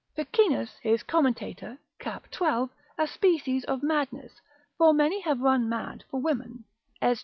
Ficinus, his Commentator, cap. 12. a species of madness, for many have run mad for women, Esdr.